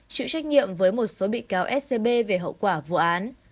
chịu trách nhiệm với một số bị cáo scb về hậu quả vụ án